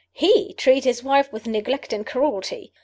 He treat his wife with neglect and cruelty!